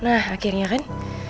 nah akhirnya kan